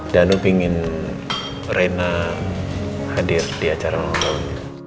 danu pingin rena hadir di acara ulang tahunnya